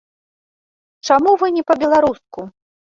Чаму вы не па-беларуску?